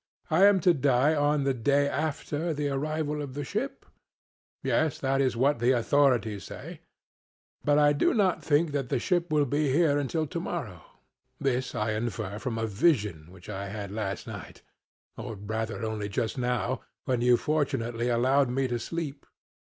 I am to die on the day after the arrival of the ship? CRITO: Yes; that is what the authorities say. SOCRATES: But I do not think that the ship will be here until to morrow; this I infer from a vision which I had last night, or rather only just now, when you fortunately allowed me to sleep.